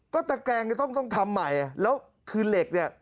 ก็ตะแกรงจะต้องทำใหม่แล้วคือเหล็กเนี่ย